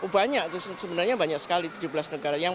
banyak sebenarnya banyak sekali tujuh belas negara